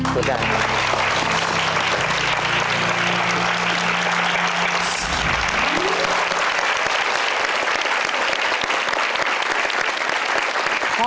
สู้ได้ครับ